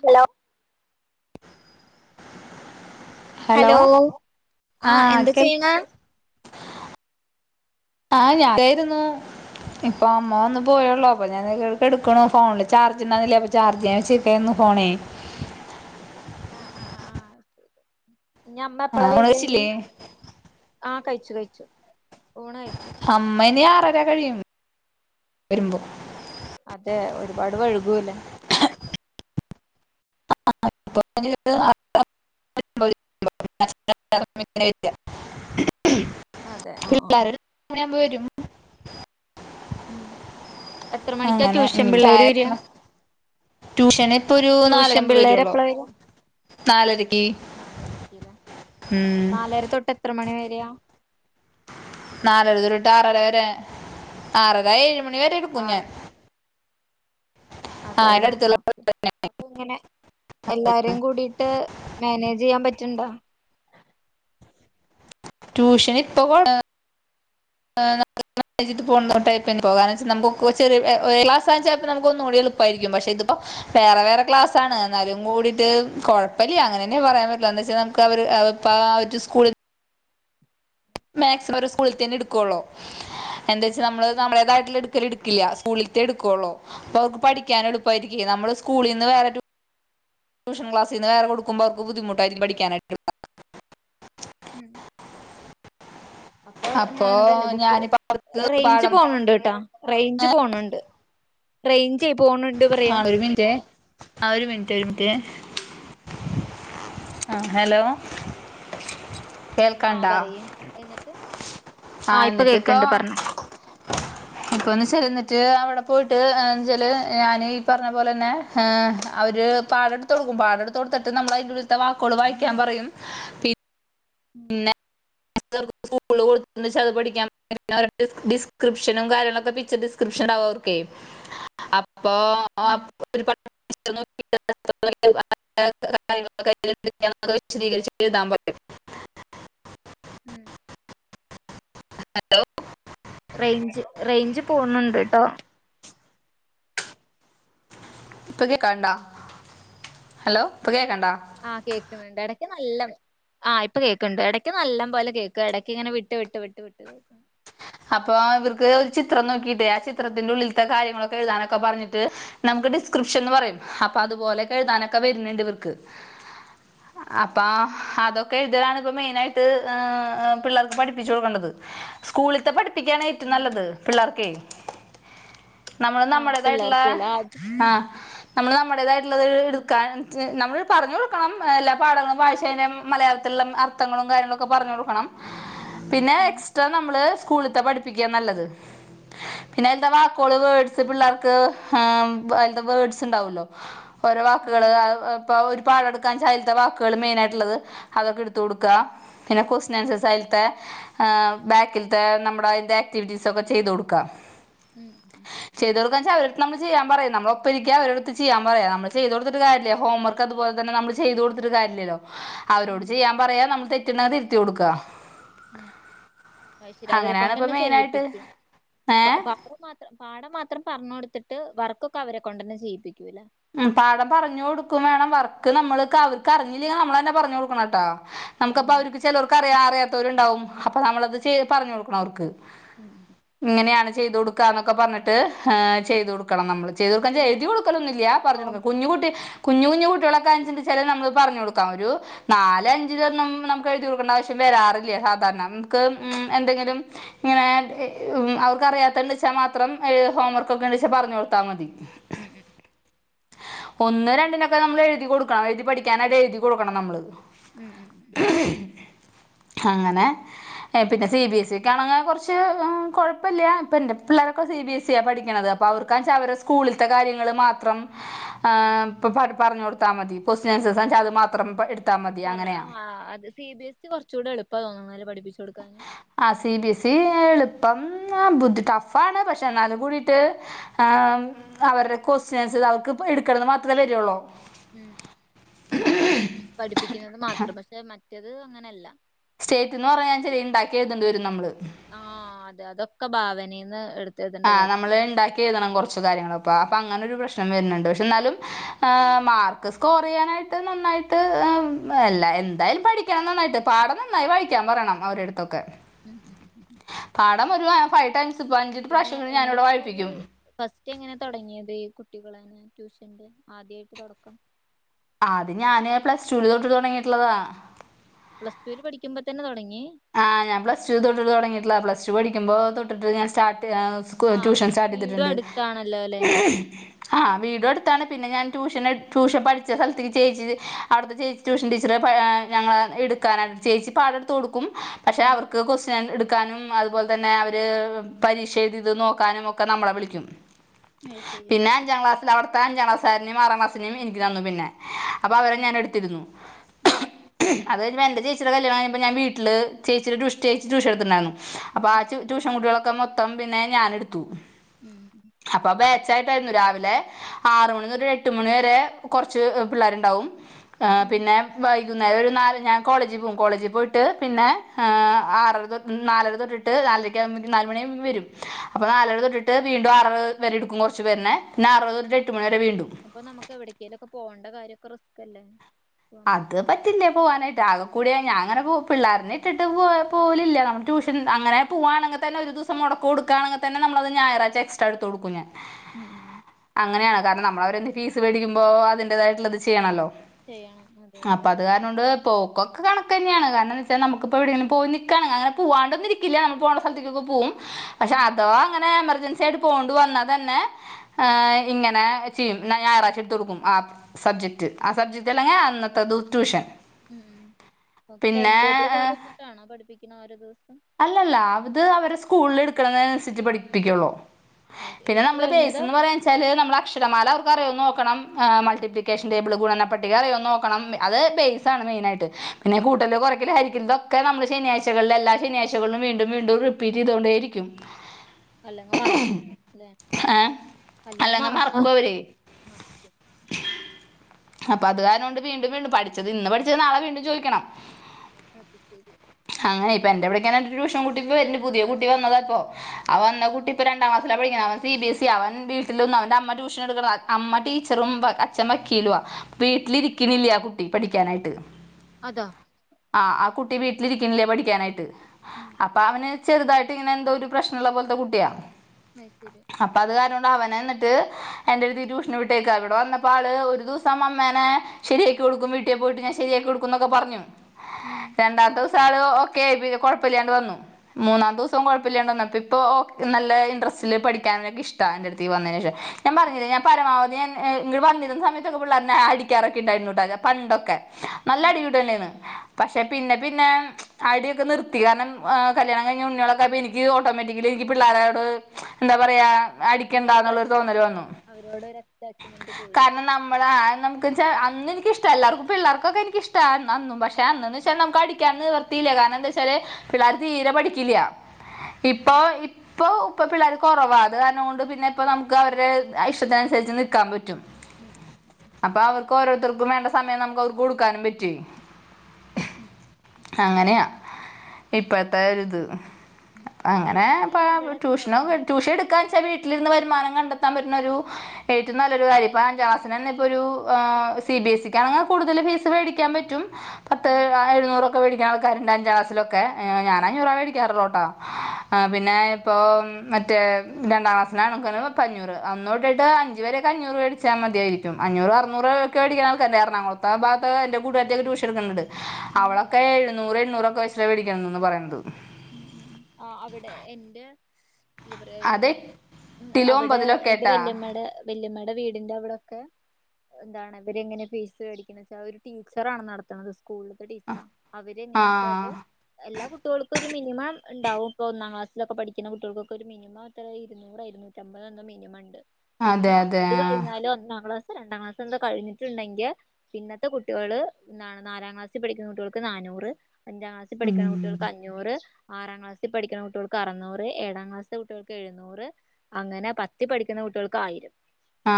Hello hello ആഹ് എന്ത്‌ ചെയ്യണെ ആഹ് ഞാനായിരുന്നു ഇപ്പൊ അമ്മ വന്ന് പോയൊള്ളൂ അപ്പൊ ഞാൻ എടുക്കുണു ഫോണില് ചാർജ് ഉണ്ടാരുന്നില്ലേ അപ്പൊ ചാർജ് ചെയ്യാൻ വച്ചിക്കായിരുന്നു ഫോണേ ആ ആ ആ ആ ഇനി അമ്മ എപ്പളാ ആഹ് ഫോണ് വരിക ഇനി വെച്ചില്ലേ ആ കഴിച്ചു കഴിച്ചു ഊണ് കഴിച്ചു അമ്മേനെ ആ തരാൻ കഴിയും വരുമ്പോ അതെ ഒരുപാട് വഴുകൂലേ ആ [inaudible] [unintelligible] അതെ ആ ആ പിള്ളേര് ഒരു മണിയാവുമ്പം വരും [unintelligible] ഉം എത്ര മണിക്കാ അങ്ങനെ ട്യൂഷൻ പിള്ളേര് ചായ വരിക ഇന്നാ ട്യൂഷൻ ഇപ്പൊ ഒരു നാ ട്യൂഷൻ പിള്ളേര് എപ്പളാ വരിക നാലരക്ക് നാലരക്കില്ലേ ഉം നാലര തൊട്ട് എത്ര മണി വരെയാ നാലര ദുട്ട് ആറര വരെ ആറര ഏഴു മ നേരെ എടുക്കും ഞാൻ ആഹ് അതിന്റെ അതേല്ലേ ആ അടുത്തുള്ള ക്കേ അപ്പംങ്ങനെ എല്ലാരേം കൂടിട്ട് മേനേജ്യ്യാൻ പ ചുണ്ടോ ട്യൂഷന് ഇപ്പകൊഴ് [unintelligible] പൊന്നോട്ടേ പ്പനെപോകാ വെച്ച് നമുകൂ ചെര് ഒരേ ക്ലാസ്സാച്ചാ നമുക്ക് ഒന്നൂടി എളുപ്പായിരിക്കും പക്ഷെ ഇതിപ്പ വേറെ വേറെ ക്ലാസ് ആണ് ന്നാലും കൂടിയിട്ട് കൊഴപ്പല്ല അങ്ങനെന്നെ പറയാൻ പറ്റു എന്ന് ച്ചാൽ നമ്ക്കവര് ഇപ്പാ ഒരു സ്കൂളി മാക്സിമം ഒരു സ്കൂളിൽ തന്നെ എട്കൊള്ളൂ. എന്തച്ചാ നമ്മള് ഉം നമ്മളതായിട്ട്ള്ള എട് ക്കല് ട്ക്ക്ല്ല സ്കൂളിൽത്തെ ട്ക്കൊള്ളു പ്പൊ പഠിക്കാൻ എളുപ്പയിരിക്കേ നമ്മള് സ്കൂളിന്ന് വേറെ ട്യൂഷ ക്ലാസ്സിന്ന് വേറെ കൊടുക്കുമ്പോ ക്കൊ ബുദ്ധിമുട്ടായിരിക്കും പഠിക്കാനായിട്ട് [unintelligible] ഉം അപ്പൊ ഞാനതല്ലേ ബുക്ക് ഞാനിപ്പോ അവർക്ക് റേഞ്ച് പാഠം പോണണ്ട്ട്ടാ റേഞ്ച് പോണണ്ട് റെയ്ഞ്ചേ ആ ഒരു മിൻറ്റെ ആ ഒരു മിൻറ്റ് ഒരു മിൻറ്റ് ഉം ആ ഹലോ ആ കേൾക്കണ്ടാ പറയ് എന്നിട്ട്. ആ ആഹ് ന്ന്ട്ട് ഇപ്പൊ കേക്ക്ണ്ട് പറഞ്ഞോ ഇപ്പ ഒന്ന് [unintelligible] ച്ച് അവിടെ പോയ്ട്ട് യന്ന്ച്ചാല് ഞാന് ഈ പറഞ്ഞ പോലെ ന്നെ ഹേ അവര് പാടെട്തൊട്ക്കും പാടെട്തൊട്ത്ത്ട്ട് നമ്മളഅയിന്റ ഉള്ള്ത്ത വാക്കൊള് വായിക്കാൻ പറയും പി [unintelligible] [unintelligible] ഡിസ്ക്രിപ്ഷനും കാര്യങ്ങളൊക്കെ പിച്ച് ഡിസ്ക്രിപ്ഷൻണ്ടാവും അവോർക്കെ അപ്പൊ ഉം [unintelligible] [unintelligible] ഉം ഹലോ റേഞ്ച് റേഞ്ച് പോണണ്ട് ട്ടോ ഇപ്പ കേക്കാണ്ടോ ഹലോ ഇപ്പ കെ ആ കേക്ക്ന്ന്ണ്ട് എടക്ക് നല്ല ആ ഇപ്പ കേക്ക്ണ്ട് എടക്ക് നല്ലം പോലെ കേക്ക് എടയ്ക്ക് ഇങ്ങനെ വിട്ട് വിട്ട് വിട്ട് വിട്ട് കേക്കും. അപ്പൊ ഇവ്ർക്ക് ഒരു ചിത്രം നോക്കിയിട്ടേ ആ ചിത്രത്തിന്റെ ഉള്ളിൽത്തെ കാര്യങ്ങളൊക്കെ എഴുതാനൊക്കെ പർഞ്ഞിട്ട് നമുക്ക് ഡിസ്ക്രിപ്ഷൻന്ന് പറയും അപ്പ ഉം അതുപോലെക്കെ എഴുതാനൊ ക്ക വര്ന്ന്ണ്ട് വക്ക് അപ്പാ ഉം അതൊക്കെ എഴുതലാണ് പ്പം മെയ്നായ്ട്ട് എ പിള്ളേർക്ക് പട്പ്പ്ച്ച് കൊടുക്കേണ്ടത് സ്കൂളിൽ ത്ത പട് [unintelligible] ഏറ്റവും ഉം നല്ലത് പിള്ളേർക്ക് നമ്മള് ആഹ് നമ്മള്ളതായിട്ട്ള്ള പിള്ളേർക്ക്ല്ലേ അത് ആ ഉം ഉം ഉം നമ്മൾ പറഞ്ഞു കൊടുക്കണം എല്ലാ പാഠങ്ങളും ഭാഷേനേം മലയാളത്തിലുള്ള അർത്ഥങ്ങളും കാര്യങ്ങളൊക്കെ പറഞ്ഞു കൊടുക്കണം പിന്നെ ഉം എക്സ്ട്രാ നമ്മള് സ്കൂളിലത്തെ പഠിപ്പിക്കൻ നല്ലത് പിന്നെ അതിത്തെ വാക്കുകള് വേഡ്സ് പിള്ളേർക്ക് അതിത്തെ വേഡ്സ് ഉണ്ടാവല്ലോ ഓരോ ഉം വാക്കുകൾ ഇപ്പൊ ഒരു പാടെടുക്കാൻ ചാലു അയിലത്തെ വാക്കുകൾ മെയിൻ ആയിട്ടുള്ളത് അതൊക്കെ എടുത്തു കൊടുക്കുക പിന്നെ കൊസ്റ്റൻ ആൻസേഴ്സ് അതിൽത്തെ ബാക്ക നമ്മുടെ അതിന്റെ ആക്ടിവിറ്റീസ് ഒക്കെ ചെയ്ത് കൊടുക്കാം [unintelligible] [unintelligible] നമ്മള് ചെയ്യൻ പറ നമ്മള് ഒപ്പരിക്ക അവരിടുത്ത് ചെയ്യൻ പറയാ നമ്മള് ചെയ് കൊടുതിട്ട് കാര്യംല്ല ഹോംവർക്ക് അതുപലെ തന്നെ നള് ചെയ്ത് കൊടുത്തിട്ട് കാര്യല്ല്യല്ലോ അവരോട് ഉം ചെയ്യാൻ പറയാ നമ്മൾ പറ്റുന്നത് തിരുത്തി കൊടുക്ക ഉം അയ്ശരി ഇപ്പൊ അവരെകൊണ്ടന്നെ മെയിനായിട്ട് ചെയ്യിപ്പിക്ക് ഏ പാ മാത്രം ഇത്രം പറഞ്ഞൊടുത്തിട്ട് വർക്കൊക്കെ അവരെ കൊണ്ടന്നെ ചെയ്യിപ്പിക്ക്- ഉം പാടം പറഞ്ഞുകൊടുക്കും വേണം വർക്ക് ക്ക് നമ്മള് കവർക്ക് അറിഞ്ഞില്ലെങ്കി നമ്മളെന്നെ പറഞ്ഞഞ്ഞൊടുക്കണൊട്ടോ ഉം നമുക്കപ്പം ഉം അവര്ക്ക് ചെലോർക്ക് അറിയാം അറിയ- ത്തരുണ്ടാവും അപ്പൾ നമ്മളത് ചെയ്ത് പറഞ്ഞൊടുക്കണവർക്ക് ഉം ഇങ്ങനെയാണ് ചെയ്ത് കൊടുക്കാന്നൊക്കെ പറഞ്ഞിട്ട് ഹ് ചെയ്ത് കൊടുക്കണം നമ്മൾ ചെയതൊടുക്കാന്നെച്ച പിന്നെ എഴുതി കൊടുക്കലൊന്നില്ല്യ ഹോം പറഞ്ഞൊടുക്ക കുഞ്ഞുകുട്ടി കുഞ്ഞു കുഞ്ഞു കുട്ടികളൊക്കെ ആനെചിച്ചാല് നമ്മള് പറഞ്ഞു കൊടുക്കാം ഒരു നാല് അഞ്ച് നമുക്ക് എഴുതി കൊടുക്കണ്ട ആവശ്യം വരാറില്ല സാധാരണ നമുക്ക് ഉം എന്തെങ്കിലും ഇങ്ങനെ അവർക്ക് അറിയാത്തണ്ടച്ചാ മാത്രം ഹോംവർക്ക് ഒക്കെണ്ടച്ചാ പറഞ്ഞു കൊടുത്താ മതി ഉം ഉം ഒന്ന് രണ്ടിനൊക്കെ നമ്മൾ എഴുതി കൊടുക്കണം എഴുതി പഠിക്കാനായിട്ട് എഴുതി കൊടുക്കണം നമ്മള് ഉം ഉം അങ്ങനെ പിന്നെ സി ബി എസ് ഇക്കാണങ്കിൽ കുറച്ച് കുഴപ്പില്യ ഇപ്പ എന്റെ പിള്ളോരൊക്കെ സി ബി എസ് ഇ ആ പഠിക്കണത് അപ്പ അവർക്കാച്ച അവരെ സ്കൂളിലത്തെ കാര്യങ്ങള് മാത്രം ആഹ് ഇപ്പ പറഞ്ഞൊടുത്താമതി കൊസ്റ്റിനാൻസ- കറ ആഹ് അ സി ബി എസ് സി കുറച്ചൂടെ എളുപ്പതോന്നുന്നു പഠിപ്പിപ്പിക- ആ സി ബി സി ഈ എളുപ്പം ബുദ്ധി ടഫാണ് പക്ഷെ എന്നാലും കൂടിട്ട് അവരുടെ ക്വസ്റ്റ്യൻസ് അവർക്ക് എടുക്കണന്ന് മാത്രെവരുള്ളൂ ഉം പഠിപ്പിക്കുന്നത് മാത്രം പക്ഷെ മറ്റത് അങ്ങനെല്ല സ്റ്റേറ്റ്ന്ന് പറഞ്ഞാ ഇചിരി ഇണ്ടാക്കി എഴുതണ്ടവരും നമ്മള് ആഹ് അതെ അതൊക്കെ ഭാവനേന്ന് എടു- ആഹ് നമ്മള് ഇണ്ടാക്കി എഴുതണം കൊറച്ച് കാര്യങ്ങൾ അപ്പ അപ്പ അങ്ങനൊരു പ്രശ്നം വരുണൊണ്ട് പക്ഷെന്നാലും മാർക്ക് സ്കോർ ചെയ്യാനാട്ട് നന്നായിട്ട് അല്ല എന്തായാലും പഠിക്കണം നന്നായിട്ട് പാടം നന്നായി വായിക്കാൻ പറയണം അവരട- ത്തൊക്കെ ഉം ഉം ഉം ഉം. പാഠം ഒര് ഫൈ ടൈംസ് പ്പഞ്ച്- ന്നെ എങ്ങനെ ഇപ്പൊ അതെ ഫസ്റ്റ് എങ്ങനെ തുടങ്ങിയത് കുട്ടികളെന്നെ ട്യൂഷന്റെ ആദ്യായിട്ട് തുടക്കം ആഹ് അത് ഞാന് പ്ലസ്ടൂൽ തൊട്ട് തുടങ്ങിട്ടുള്ളതാ പ്ലസ്ടുന് പഠിക്കമ്പൊ തന്നെതൊടങ്ങി- ആഹ് ഞാൻ പ്ലസ്ടു തൊട്ട് തുടങ്ങിട്ടുളള പ്ലസ്ടു പഠിക്കുമ്പോ തൊട്ടിട്ട് ഞാൻ സ്റ്റാട്ട്- സ്കു ആ വീടും ട്യൂഷൻസ്റ്റാട്ടിതിട്ട്ണ്ട് അടുത്താണല്ലോ അല്ലെ ആ വീടും അടുത്താണ് പിന്നെ ഞാൻ ട്യൂഷൻ എട് ട്യൂഷൻ പഠിച്ച സ്ഥലത്തില് ചേച്ചി അവ്ടത്തെ ചേച്ചി ട്യൂഷൻ ടീച്ചറെ പാ ആ ഞങ്ങളെ എടുക്കാനായി ചേച്ചി പാടെട്ത്തൊടുക്കും പക്ഷെ ഉം അവർക്ക് ക്വസൃനൻ എടു ക്കാനും അതുപോൽതന്നെ അവര് പരീക്ഷയ്തെത് നോക്കാനും ഒക്കെ നമ്മളെ വിളിക്കും അത് ശരി പിന്നെ ഓക്കെ അഞ്ചാം ക്ലാസ്സിലവിട് പ അഞ്ചാം ക്ലാസ്സാരനേയും ആറാം ക്ലാസിനേം എനിക്ക്തന്നു പിന്നെ അപ്പൊ അവരെ ഉം ഞാൻ എടുത്തിരുന്നു ഉം അത് എന്റെ ചേച്ചിടെ കല്യാണം കഴിഞ്ഞപ്പോ ഞാൻ വീ ട്ടില് ചേച്ചിടെടുഷ്ടി യിട്ട് ടൂഷെട്ത്തിട്ട്ണ്ടായിരുന്നു അപ്പൊ ഉം ആ ചൂ ടൂഷൺകുട്ടീളൊ മൊത്തം പിന്നെ ഞാൻ എടുത്തു ഉം ച്ചായിട്ടായിരുന്നു രാവിലെ ആറ്മണിന് ഒരു എട്ട്മണിവരെ കൊറച്ച് പിള്ളേരുണ്ടാവും ആ ഉം പിന്നെ ഭായി വൈകുന്നേരം നാല് ഞാ കോളേജ് പോകും കോളജ് പോയിട് ട്ട് പിന്നെ ഏ ആറരതൊട് നാലര തൊട്ട്ട്ട് ആറരക്ക് നാലു മണിവരും അപ്പൊ നാലരതൊട്ട്ട്ട് വീണ്ടും ആറരവരെടുക്കും കൊറച്ചുപേരുനെ പിന്നെ ആറര തൊട്ടിട് എട് അപ്പൊ നമുക്ക് എവിടെക്കേലൊക്കെ പോൺ ണ്ട കാര്യക്കെ റിസ്കല്ലേ അത് പറ്റില്ല പോവാനായിട്ട് ആക കൂടിയ ഞാങ്ങനെ കൂ പിള്ളാർനെട്ടിട്ട് പോ പോലില്ല ട്യൂഷൻ അങ്ങനെപോവാണങ്കെ തന്നെ ഒരുദിവസം മൊടക്ക് കൊട്കാണെങ്കെതന്നെ നമ്മളത് ഞായറാഴ്ച എക്സ്ട്രാ എടുത്തൊടുക്കും ഞൻ ഉം ഉം അങ്ങനെയാണ് കാരണം നമ്മളവരെ ഫീസ് മേടിക്കുമ്പോ അതിന്റേതായിട്ടുള്ളത് ചെയ്യണല്ലോ ചെയ്യണം അതെ അതെ അപ്പൊ അത്കാരണംകൊണ്ട് പോക്ക ഒക്ക കണക്കന്നേണ് കാരണന്ത്വെച്ചാ നമുക്കിപ്പോവിടെണ് പോയിനിക്കാൻ ആ പൂവാണ്ടന്നിരികില്ലാ നമ്മൾ പോണ്ടസ്ഥലത്ത്ക്കൊക്കെ പോകും പക്ഷെ ഉം അതവാ അങ്ങനെ എമർജൻസി ച്ച്ടെ പോണ്ടിവന്നാൽതന്നെ ആ ഇങ്ങനെ ചെയ്യും ഞായാറാഴ്ചടുത്ത്കൊടുക്കും ആ സബ്ജക്ട് ആ സബ്ജെക്ട് അല്ലെങ്കെ അന്നത് തതൂ ട്യൂഷൻ ഉം ഓക്കെ ടൈം പിന്നെ ടേബിള് പോലെട്ട്ട്ടാണ് പഠിപ്പിക്കുന്നെ ഓരോ ദിവ തുടങ്ങ്ണനനുസരിച്ച് പഠിപ്പിക്കൊള്ളൂ പിന്നെ എടുത്ത് നമ്മള് കഴിഞ്ഞത് ബേസെന്ന് പറയൻച്ചാല് നമ്മള് അക്ഷരമാലവർ കറിയോനോക്കണം ആ മൾട്ടിപ്ലിക്കേഷൻ ടേബിൾ ഗുണനപ്പട്ടിക അറിയോ നോക്കണം അത് ബൈസാണ് മൈനായിട്ട് പിന്നെ ഉം കൂട്ടല് കൊറക്കല് ഹരിക്കൽധൊ ക്കെനമ്മള് ശനിഴാഴ്ചകളിലല്ലാ ശനാഴ്ച ചകളും വീണ്ടും വീണ്ടും റിപ്പീറ്റെയ്തോണ്ടേരിക്കും അല്ലെങ്കി മറക്കും അല്ലെ ഏഹ് അല്ലെങ്കി മറക്കും അവര് [unintelligible] അപ്പൊ അത് കാരണം കൊണ്ട് വീണ്ടും വീണ്ടും പഠിച്ചത് ഇന്ന് പഠിച്ചത് നാളെ വീണ്ടും ചോയിക്കണം അത് ശരി പ്പ ൻ്റെ [unintelligible] ട്യൂഷൻ കുട്ടി ഇപ്പൊ വരുന്ന് പുതിയ കുട്ടി വന്നതാ ഇപ്പോ ആ വന്ന കുട്ടിപ്പൊ രണ്ടാം ക്ലാസ്സിലാ പഠിക്കണേ അവൻ സി ബി എസിയാ അവൻ വീട്ടിലൊന്നും അവന്റെ അമ്മ ട്യൂഷൻ എടുക്കണതാ അമ്മ ടീച്ചറും അച്ഛൻ വക്കിലുവാ വീട്ടിലിരിക്കണില്ലാ ആ കുട്ടി പഠിക്കാനായിട്ട് അതാ ആ ആ കുട്ടി വീട്ടിലിരിക്കുന്നില്ലാ പഠിക്കാനായിട്ട് ഉം അപ്പാവന് ചെറുതായിട്ട് ഇങ്ങനെന്തൊ ഒരു പ്രശ്നമുള്ള പോലത്തെ കുട്ടിയാ മൈസരി അപ്പൊ അവന് എന്നിട്ട് എന്റെടുത്ത് ട്യൂഷന് വിട്ടേക്കാ ഇവിടെ വന്നപ്പോ ആള് ഒരു ദിവസം അമ്മേനെ ശരിയാക്കി കൊടുക്കും വീട്ടിൽ പോയിട്ട് ഞാൻ ശരിയാക്കി കൊടുക്കും എന്നൊക്കെ പറഞ്ഞു ഉം രണ്ടാത്ത സാള് ഓക്കെ ആയി കുഴപ്പില്ലാണ്ട് വന്നു മൂന്നാമത്തെ ദിവസവും കുഴപ്പില്ലാണ്ട് വന്നു ഇപ്പൊ നല്ല ഇൻട്രസ്റ്റില് പഠിക്കാനൊക്കെ ഇഷ്ടാ എന്റെ എടുത്ത് വന്നതിനുശേഷം ഞാൻ പറഞ്ഞില്ലെ ഞാൻ പരമാവധി ഞാൻ ഇങ്ങോട്ട് സമയത്തൊക്കെ പുള്ളേരെന്നെ അടിക്കാറൊക്കെ ഇഉണ്ടായിരുന്നുട്ടാ പണ്ടൊക്കെ നല്ല ഉം അടിവിട് തന്നെയാണ് പക്ഷെ പിന്നെ പിന്നെ അടിയൊക്കെ നിർ ർത്തി കാരണം കല്യാണം കഴിഞ്ഞ ഉണ്ണികളൊക്കെ ആയപ്പോ എനിക്ക് ഓട്ടോമാറ്റിക്കലി എനിക്ക് പിള്ളാരോട് എന്താ പറയാ ഒരു അടിക്കണ്ടാന്നുള്ളരു തോന്നല് അറ്റാച്ച്മെന്റ് വന്നു അവരോട് ഒരു അറ്റാച്ച്മെന്റ് കൂടി കാരണം നമ്മൾ ആ നമക്ക് അന്ന് എനിക്കഷ്ടാ എല്ലാർക്കും പിള്ളേർക്കൊക്കെ എനിക്കിഷ്ടാ അന്ന്ഒന്നും ചെന്ന് പക്ഷേ നമുക്ക് അടിക്കാൻ നിവർത്തിയില്ലാ കാരണം എന്താന്നുവെച്ചാ ച്ചാല് പിള്ളേര് തീരെ പഠിക്കില്ല ഉം ഇപ്പൊ ഇപ് ഇപ്പോ ഇപ്പൊ പിള്ളേർ കുറവാ അത് കാരണം കൊണ്ട് പിന്നെ ഇപ്പോൾ നമുക്ക് അവരുടെ ഇഷ്ടത്തിനുസരിച്ച് നിൽക്കാൻ പറ്റും ഉം ഉം അപ്പൊ അവർക്ക് ഓരോരുത്തർ അവർക്ക് വേണ്ട സമയം നമുക്ക് അവർക്ക് കൊടുക്കാനും പറ്റുവേ ഉം അങ്ങനെയാ ഇപ്പൊഴുത്താരുത് ഉം. അങ്ങനെ എനിക്ക് പ ഇവിടെ ട്യൂഷനോ തൊടങ്ങണ ട്യൂഷൻ എടുക്കാൻ ചെറി വിട്ടീലിരുന്ന് വരുമാനം കണ്ടെത്താൻ പറ്റുന്ന ഒരു ഏറ്റവും നല്ലൊരു അടിഭാഗം എങ്ങനെ ഗ്യാസ് തന്നെ ഇപ്പോരു ഫീസ് ആ സി ഫീസൊക്കെ ബി എസിക്കാണെങ്കിൽ എങ്ങനെയാണ് കൂടുതൽ ഫീസ് മേടിക്കാൻ പറ്റും ഉം പത്തുഎഴുന്നൂറൊക്കെ മേടിക്കാ [unintelligible] ഗ്യാസിലൊ എ ഏ ഞാൻ ഉം അഞ്ഞൂറേ മേടിക്കാറുളുട്ടോ ആ ഉം പിന്നെ ഇപ്പൊ മറ്റേ രണ്ടാം ക്ലാസ്സിലാണെകിൽ ഇപ്പ അഞ്ഞൂറ് ഒന്ന് തൊട്ടിട്ട് അഞ്ച് വരൊക്കെ അഞ്ഞൂറ് മേടിച്ചാ മതിയായിരിക്കും അഞ്ഞൂറ് അറുന്നൂറൊക്കെ മേടിക്കുന്ന ആൾക്കാരുണ്ട് എറാണകുളത്തെ ഭാഗത്ത് എന്റെ കൂട്ടുകാരത്തൊക്കെ ട്യൂഷൻ എടുക്കുന്നുണ്ട് ഉം അവളൊക്കെ എഴുന്നൂറ് അഞ്ചുറൊന്നും പൈസ വേടിക്കണംന്ന് പറയുന്നത് ഉം ഉം ആ അവിടെ എന്റെ എന്താ പറയാ അത് മ് എട്ടിലും അവിടെ ഒമ്പതിലും ഒക്കെ എന്റെ ആയിട്ടാ വല്യമ്മടെ വല്യമ്മടെ വീട് വീടിന്റെ അവിടൊക്കെ എന്താണ് ഇവരിങ്ങനെ ഫീസ് മേടിക്ക്ണ് വച്ചാൽ ഒരു ടീച്ചറാണ് നടത്തുന്നത് സ്കൂള്ത്തെ ടീച്ചറാ അവര് ആ എങ്ങനെയ ച്ചാല് എല്ലാ കുട്ടികൾ ഇപ്പോ ഒരു മിനിമം ഉണ്ടാവും ഇപ്പൊ ഒന്നാം ക്ലാസ്സിലക്കെ പഠിക്ക്ണ കുട്ടികൾക്കെ ഒരു മിനിമം ഇരൂനൂറോ ഇരുന്നൂറ്റമ്പതോ മിനിമം ഇണ്ട് അതെ പിന്നെ അതെ അത് ആ കഴിഞ്ഞാല് ഒന്നാം ക്ലാസ് രണ്ടാം ക്ലാസ് എന്തോ കഴിഞ്ഞിട്ടുണ്ടെങ്കിൽ പിന്നെത്തെ കുട്ട്യോള് നാല നാലാം ക്ലാസ്സിൽ പഠിക്കുന്ന കുട്ടോക്ക് നാന്നൂറ് അഞ്ചാം ക്ലാസ്സിൽ പഠിക്കണ ഉം കുട്ടികൾക്ക് അൻ റ് ആറാം ക്ലാസ്സിൽ പഠിക്കുന്ന കുട്ട്യോ ൾക്ക് അറുന്നൂറ് ഏഴാം ക്ലാസ്സ്‌ത്തെ കുട്ടികൾക്ക് എഴുന്നൂറ് അങ്ങനെ പത്തിൽ പഠിക്കുന്ന കുട്ടോൾക്ക് ആയിരം ആ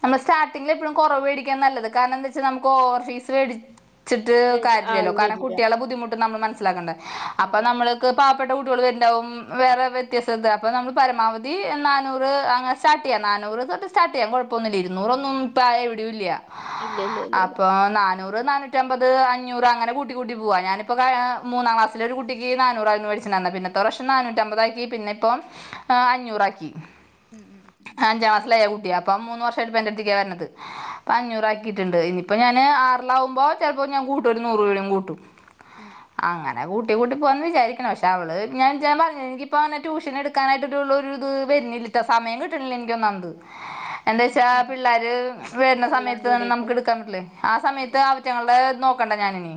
നമ്മള് സ്റ്റാർട്ടിംഗിൽ എപ്പോഴും കുറവ് മേടിക്കാ നല്ലത് കാരണം എന്താ വെച്ചാ നമുക്ക് ഓവർ ഫീസ് വെടിച്ച ച്ചിട്ട് കാര്യല്ലല്ലോ ആള് കാരണം വരില്ല കുട്ടികളുടെ ബുദ്ധിമുട്ട് നമ്മൾ മനസ്സിലാക്കണ്ടെ അപ്പൊ അതെ നമ്മൾക്ക് പാ ഇപ്പെട്ടെ കുട്ടികൾ വരുണ്ടാവും വേറെ വ്യത്യസ്ഥത അപ്പോ നമ്മൾ പരമാവധി നാനൂറ് അങ്ങനെ സ്റ്റാർട്ട് ചെയ്യാം നാനൂറ് തൊട്ട് സ്റ്റാർട്ട് ചെയ്യാം കുഴപ്പൊന്നുല്ല ഇരു ന്നൂറൊന്നും ഇപ്പ ആയെ എവിടേയുല്യ ഇല്ല ഇല്ല ഇല്ല ഇല്ല അപ്പൊ നാനൂറ് നാനൂറ്റമ്പത് അഞ്ഞൂറ് അങ്ങനെ കൂട്ടി കൂട്ടി പോവാ ഞാനിപ്പ മൂന്നാം ക്ലാസ്സിലെ ഒരു കുട്ടിക്ക് നാനൂറായി മേടിച്ചന്ന പിന്നത്തെ വർഷം നാനൂറ്റമ്പതാക്കി പിന്നെപ്പം അഞ്ഞൂറാക്കി ഉം ഉം ഉം ല്ല അപ്പ മൂന്ന് വർഷമായിട്ട് എന്റെടുത്ത്ക്കാ വരണത് അഞ്ഞൂറാക്കി ഇണ്ട് ഇനിയിപ്പ ഞാന് ആറിലാവുമ്പോ ചിലപ്പോ ഞാൻ കൂട്ടും ഒരു നൂറ് രൂപയും കൂട്ടും ഉം ഞാൻ കൂട്ടി കൂട്ടി പോകാന്ന് വിചാരിക്ക്ണ് പക്ഷ അവള് ഞാൻഞാൻ വൻകിപോന്ന ട്യൂഷൻ എടുക്കാനായിട്ട് ഒരുരു ത് വരുന്നില്ലട്ടോ സമയം കിട്ടണില്ല എനിക്കൊന്നമത് എന്താ വെച്ചാ പിള്ളാര് വരുന്ന എല്ലാം സമയത്ത് കൂടിയിട്ട് നമുക്ക് എടുക്കാൻ പറ്റില്ലേ ആ സമയത്ത് അതെ അവാറ്റങ്ങളെ നോ കൊണ്ട ഞാനിനി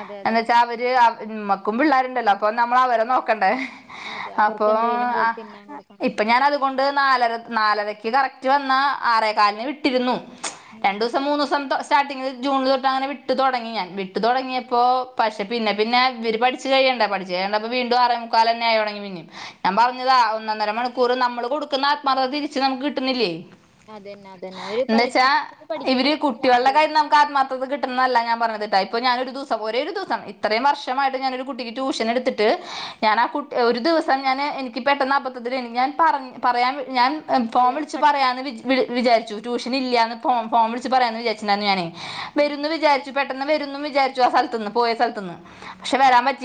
അതെ അതെ എന്ന് അതെ വെച്ചാ അവര് അ ഇമ്മക്കും പിള്ളേരുണ്ടല്ലോ അപ്പൊ നമ്മള് അവരെ നോക്കണ്ടേ അതെ അവർക്ക് അപ്പൊ എന്തെലും കൊ അ തിന്നാൻ കൊടുക്കണം ഇപ്പൊ ഞാനത് കൊ ഇത് നാലര നാലരക്ക് കറക്റ്റ് വന്നാ ആറേക്കാലിന് വിട്ടിരുന്നു ഉം രണ്ടൂസം മൂന്നൂസം തൊ സ് സ്റ്റാർട്ടിംഗില് ജൂണില് തൊട്ട് അങ്ങനെ വിട്ടു തുടങ്ങി ഞാൻ, വിട്ടു തുടങ്ങിയപ്പോ പഷെ പിന്നെ പിന്നെ ഇവര് പഠിച്ച് കഴിയണ്ടെ, പഠിച്ച് കഴി യാണ്ടായപ്പോ വീണ്ടും ആറേമുക്കാലന്നായൊടങ്ങി പിന്നെയും, ഞാൻ പറഞ്ഞതാ ഒന്നന്നര മണിക്കൂറ് നമ്മള് കൊടുക്കുന്ന ആത്മാർത്ഥത തിരിച്ച് നമുക്ക് കിട്ട് ട്ടുന്നില്ലേ അതന്നെ അതന്നെ അവര് എന്താച്ചാ പഠിപ്പിച്ചത് ഇവര് പഠിക്കണില്ല ഭ്രാന്ത് കുട്ടിൾടെ വരും കയ്യിന്ന് നമുക്ക് ആത്മാർത്ഥത കിട്ടുന്നതല്ല ഞാൻ പറഞ്ഞത് ട്ടോ ഇപ്പൊ ഞാനൊരു ദിവസം ഒരേ ഒരു ദിവസം ഇത്രയും വർഷമായിട്ട് ഞാനൊരു കുട്ടിക്ക് ട്യൂഷൻ എടുത്തിട്ട്, ഞാൻ ആ കുട്ടി ഒരു ദിവസം ഞാന് എനിക്ക് പെട്ടെന്ന് അബദ്ത്തിലാണ് ഞാൻ പറ പറയാൻ ഞാൻ ഫോൺ ഹലോ വിളി ട്ട് കട്ട് പറയാന്ന് വിച് വി വിചാരിച്ചു ടു ട്യൂഷനില്ല്യാന്ന് ഫോം ഫോം വിളിച്ച് പറയാന്ന് വിചാരിച്ചിണ്ടായിരുന്നു ഞാനേ ഉം വരുന്ന് വിചാരിച്ചു പെ ട്ടന്ന് വെരുന്നും വിചാരിച്ചു ആ സ്ഥൽത്തിന്ന് പോയ സ്ഥൽത്തിന്ന് പക്ഷെ വരാൻ പറ്റിയി